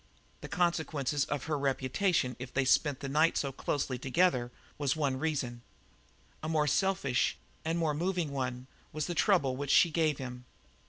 The consequences to her reputation if they spent the night so closely together was one reason; a more selfish and more moving one was the trouble which she gave him.